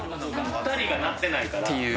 ２人が鳴ってないから。